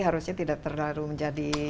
harusnya tidak terlalu menjadi